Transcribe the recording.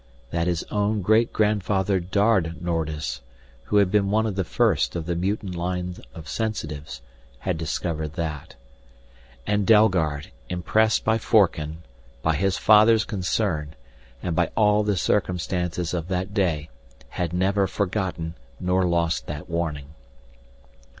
That his own great grandfather Dard Nordis, who had been one of the first of the mutant line of sensitives, had discovered that. And Dalgard, impressed by Forken, by his father's concern, and by all the circumstances of that day, had never forgotten nor lost that warning.